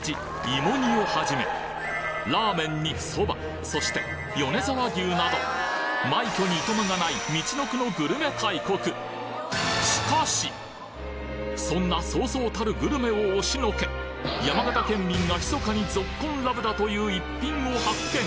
芋煮をはじめラーメンにそばそして米沢牛など枚挙にいとまがないそんなそうそうたるグルメを押しのけ山形県民が密かにぞっこんラブだという一品を発見！